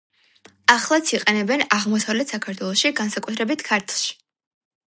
ახლაც იყენებენ აღმოსავლეთ საქართველოში, განსაკუთრებით ქართლში.